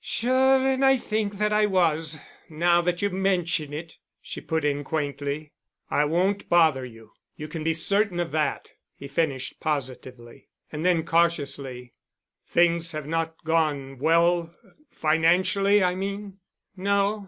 "Sure and I think that I was—now that you mention it," she put in quaintly. "I won't bother you. You can be certain of that," he finished positively. And then cautiously, "Things have not gone well—financially, I mean?" "No.